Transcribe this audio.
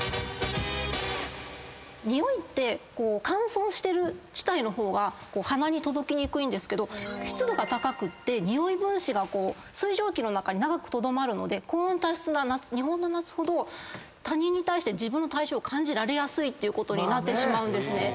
においって乾燥してる地帯の方が鼻に届きにくいんですけど湿度が高くてにおい分子がこう水蒸気の中に長くとどまるので高温多湿な日本の夏ほど他人に対して自分の体臭を感じられやすいっていうことになってしまうんですね。